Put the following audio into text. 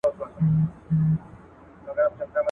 مال خپل وساته، همسايه غل مه بوله.